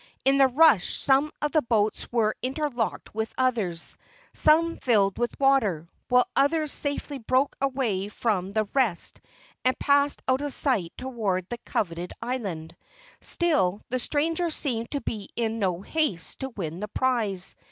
In the rush some of the boats were interlocked with others, some filled with water, while others safely broke away from the rest and passed out of sight toward the coveted island. Still the stranger seemed to be in no haste to win the prize.